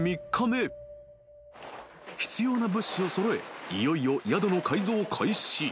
［必要な物資を揃えいよいよ宿の改造開始］